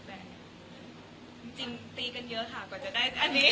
แต่จริงตีกันเยอะค่ะกว่าจะได้อันนี้